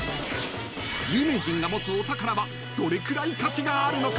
［有名人が持つお宝はどれくらい価値があるのか？］